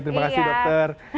terima kasih dokter